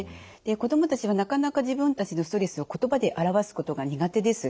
子どもたちはなかなか自分たちのストレスを言葉で表すことが苦手です。